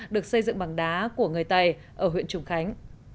được xây dựng bằng đá của người tày ở huyện trùng khánh